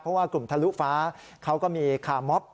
เพราะว่ากลุ่มทะลุฟ้าเขาก็มีคาร์มอบ